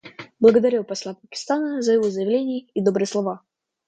Благодарю посла Пакистана за его заявление и добрые слова.